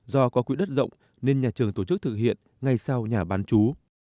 do có quỹ đất rộng nên nhà trường tổ chức thực hiện ngay sau nhà bán chú